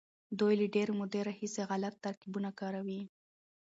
دوی له ډېرې مودې راهيسې غلط ترکيبونه کاروي.